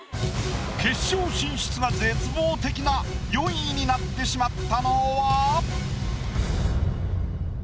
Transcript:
決勝進出が絶望的な４位になってしまったのは。